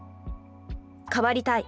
変わりたい。